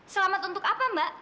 selamat untuk apa mbak